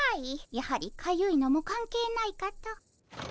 やはりかゆいのも関係ないかと。